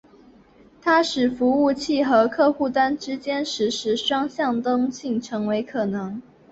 它使得服务器和客户端之间实时双向的通信成为可能。